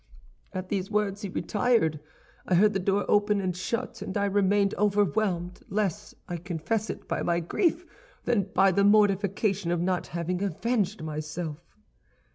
"At these words he retired. I heard the door open and shut, and I remained overwhelmed, less, I confess it, by my grief than by the mortification of not having avenged myself.